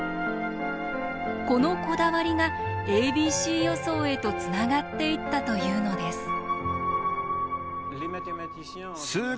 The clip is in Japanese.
このこだわりがａｂｃ予想へとつながっていったというのです。